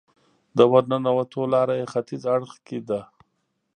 د ورننوتو لاره یې ختیځ اړخ کې ده.